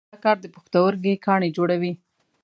دا کار د پښتورګي کاڼي جوړوي.